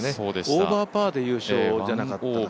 オーバーパーで優勝じゃなかったかな。